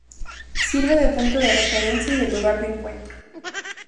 Sirve de punto de referencia y de lugar de encuentro.